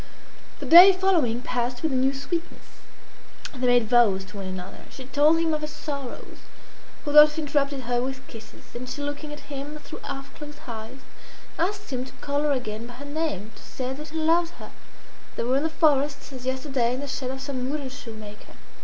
The day following passed with a new sweetness. They made vows to one another She told him of her sorrows. Rodolphe interrupted her with kisses; and she looking at him through half closed eyes, asked him to call her again by her name to say that he loved her They were in the forest, as yesterday, in the shed of some woodenshoe maker.